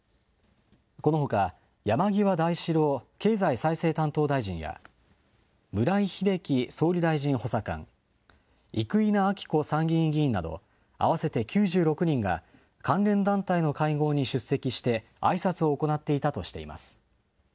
このほか、山際大志郎経済再生担当大臣や、村井英樹総理大臣補佐官、生稲晃子参議院議員など、合わせて９６人が、関連団体の会合に出席して、あいさつを行っていたとしています。